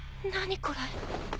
何これ。